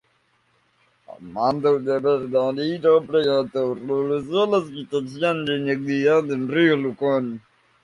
Al mando de Bernardino Prieto, regresó a su situación de inactividad en río Lujan.